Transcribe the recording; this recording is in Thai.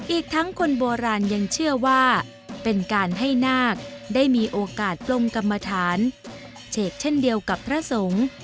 อีกทั้งคนโบราณยังเชื่อว่าเป็นการให้นาคได้มีโอกาสปลงกรรมฐานเฉกเช่นเดียวกับพระสงฆ์